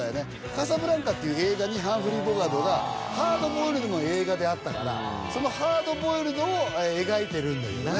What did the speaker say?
「カサブランカ」っていう映画にハンフリー・ボガートがハードボイルドの映画であったからそのハードボイルドを描いてるんだけどね